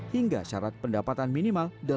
hingga syarat pendapatan minimal dalam pernyataan